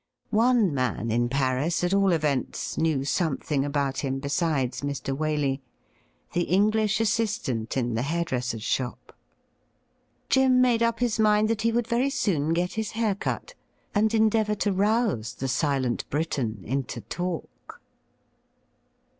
One man in Paris, at all events, knew something about him besides Mr. Waley — the English assistant in the hair diesser's shop. Jim made up his mind that he would very soon get his hair cut, and endeavoiu? to rouse the silent Briton into talk.